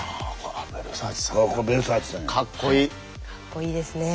かっこいいですね。